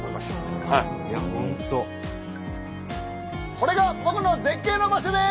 これが僕の絶景の場所です！